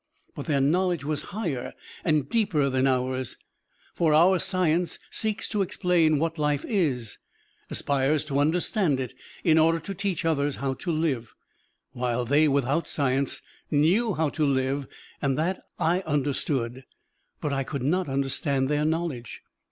But their knowledge was higher and deeper than ours; for our science seeks to explain what life is, aspires to understand it in order to teach others how to live, while they without science knew how to live; and that I understood, but I could not understand their knowledge.